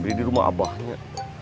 febri di rumah abahnya